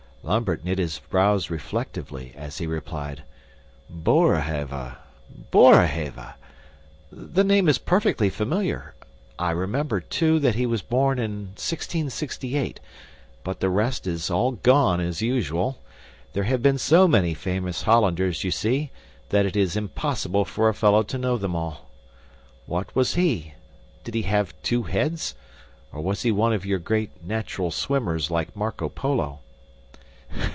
Lambert knit his brows reflectively, as he replied, "Boerhaave, Boerhaave! The name is perfectly familiar; I remember, too, that he was born in 1668, but the rest is all gone, as usual. There have been so many famous Hollanders, you see, that it is impossible for a fellow to know them all. What was he? Did he have two heads? Or was he one of your great, natural swimmers like Marco Polo?"